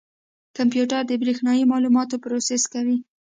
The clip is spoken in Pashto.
کمپیوټر د برېښنایي معلوماتو پروسس کوي.